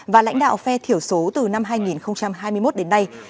và lãnh đạo phe thiểu số từ năm hai nghìn hai mươi một đến nay